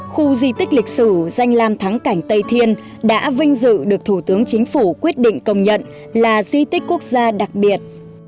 khu di tích lịch sử danh lam thắng cảnh tây thiên đã vinh dự được thủ tướng chính phủ quyết định công nhận là di tích quốc gia đặc biệt